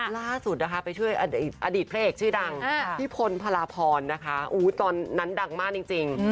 ล่าสุดไปช่วยอดีตพระเอกชื่อดังพี่พลภรภรตอนนั้นดังมากจริง